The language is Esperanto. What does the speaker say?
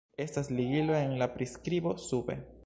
Estas ligilo en la priskribo sube.